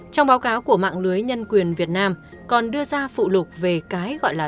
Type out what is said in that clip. trong báo cáo của mạng lưới nhân quyền việt nam còn đưa ra phụ lục về cái gọi là